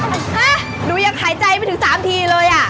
ฮะหนูยังหายใจไม่ถึง๓ทีเลยอ่ะ